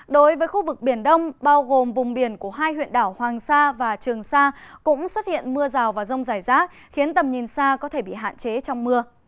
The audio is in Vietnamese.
đối với khu vực biển đông bao gồm vùng biển của hai huyện đảo hoàng sa và trường sa cũng xuất hiện mưa rào và rông rải rác khiến tầm nhìn xa có thể bị hạn chế trong mưa